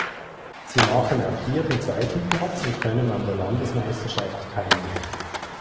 Sie machen auch hier den zweiten Platz und können an der Landesmeisterschaft teilnehmen.